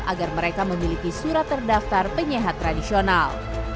agar mereka memiliki surat terdaftar penyehat tradisional